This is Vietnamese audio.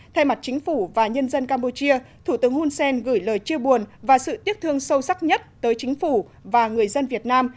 thay mặt chính phủ và nhân dân campuchia thủ tướng hun sen gửi lời chia buồn và sự tiếc thương sâu sắc nhất tới chính phủ và người dân việt nam